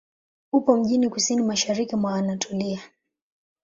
Upo mjini kusini-mashariki mwa Anatolia.